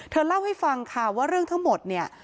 เล่าให้ฟังค่ะว่าเรื่องทั้งหมดเนี่ย